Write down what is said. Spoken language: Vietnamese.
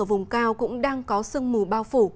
ở vùng cao cũng đang có sương mù bao phủ